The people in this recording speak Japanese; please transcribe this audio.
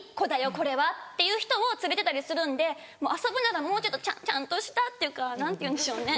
これは」っていう人を連れてたりするんで遊ぶならもうちょっとちゃんとしたっていうか何ていうんでしょうね。